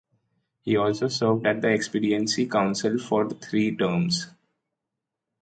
He also served at the Expediency Council for three terms.